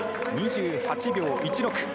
２８秒１６。